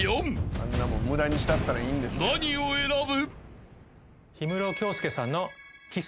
［何を選ぶ？］